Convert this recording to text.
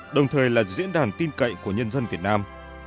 đồng thời là diễn đàn tin cậy của nhân dân việt nam